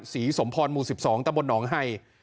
สมพรหมู่๑๒ตะบลหนองไฮ